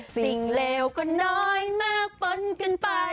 เลวก็น้อยมากปนกันไป